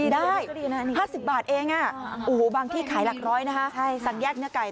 ได้๕๐บาทเองบางที่ขายหลักร้อยนะคะสั่งแยกเนื้อไก่